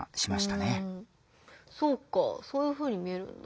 そうかそういうふうに見えるんだ。